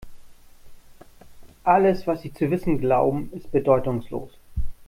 Alles, was Sie zu wissen glauben, ist bedeutungslos.